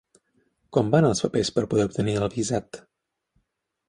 Com van els papers per poder obtenir el visat?